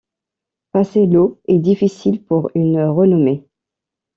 Passer l’eau est difficile pour une renommée.